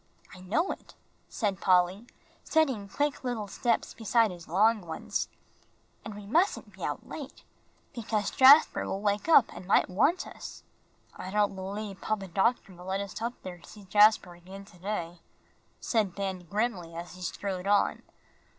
"I know it," said Polly, setting quick little steps beside his long ones, "and we mustn't be out late, because Jasper will wake up and might want us." "I don't believe Papa Doctor will let us up there to see Jasper again to day," said Ben, grimly, as he strode on.